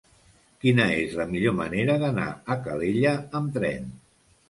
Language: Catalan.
Quina és la millor manera d'anar a Calella amb tren?